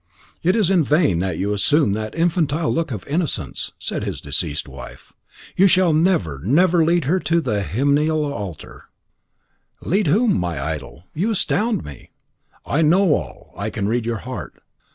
"It is in vain that you assume that infantile look of innocence," said his deceased wife. "You shall never never lead her to the hymeneal altar." "Lead whom, my idol? You astound me." "I know all. I can read your heart.